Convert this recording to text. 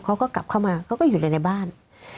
เขาก็กลับเข้ามาเขาก็อยู่ในบ้าน